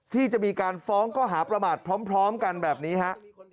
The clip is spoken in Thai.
ที่จะมีการฟ้องก็หาประมาทพร้อมกันแบบนี้ฮะ